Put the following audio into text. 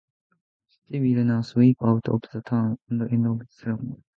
They will now sweep out the town and end the ceremony.